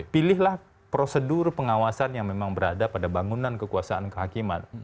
pilihlah prosedur pengawasan yang memang berada pada bangunan kekuasaan kehakiman